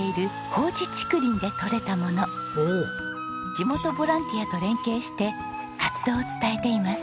地元ボランティアと連携して活動を伝えています。